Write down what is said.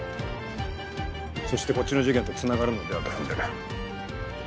そしてこっちの事件とつながるのではと踏んでる。